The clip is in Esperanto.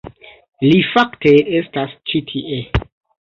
Li fakte estas ĉi tie